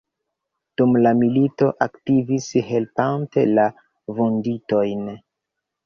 Dum la milito aktivis helpante la vunditojn.